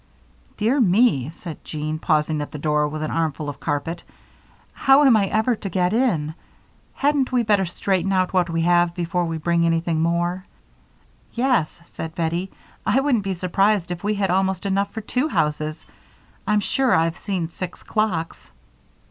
"Dear me," said Jean, pausing at the door with an armful of carpet. "How am I ever to get in? Hadn't we better straighten out what we have before we bring anything more?" "Yes," said Bettie. "I wouldn't be surprised if we had almost enough for two houses. I'm sure I've seen six clocks."